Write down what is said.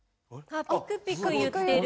あっピクピクいってる・